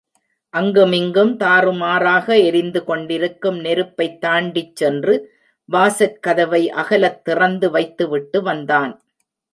அங்குமிங்கும் தாறுமாறாக எரிந்து கொண்டிருக்கும் நெருப்பைத் தாண்டிச் சென்று வாசற்கதவை அகலத்திறந்து வைத்துவிட்டு வந்தான்.